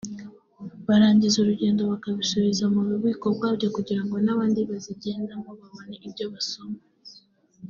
barangiza urugendo bakabisubiza mu bubiko bwabyo kugira ngo n’abandibazigendamo babone ibyo basoma